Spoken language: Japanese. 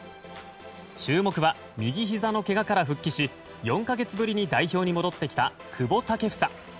注目は右ひざのけがから復帰し４か月ぶりに代表に戻ってきた久保建英。